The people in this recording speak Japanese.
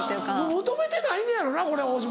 求めてないのやろなこれ大島。